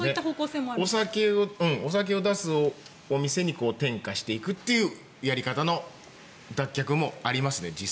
お酒を出すお店に転化していくというやり方の脱却も実際にありますね。